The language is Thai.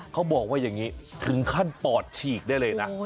เขาบอกว่าอย่างนี้ถึงขั้นปอดฉีกได้เลยนะ